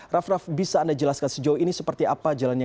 raff raff bisa anda jelaskan sejauh ini seperti apa jalannya